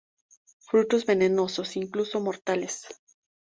Frutos venenosos, incluso mortales.